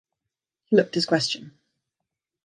He looked his question.